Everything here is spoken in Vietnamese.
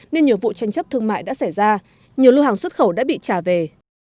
nên nhiều vụ tranh chấp thương mại đã xảy ra nhiều lưu hàng xuất khẩu đã bị trả về